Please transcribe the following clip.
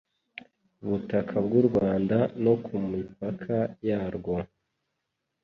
butaka bw u rwanda no ku mipaka yarwo